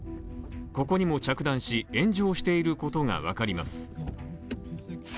ここにも着弾し炎上していることが分かります。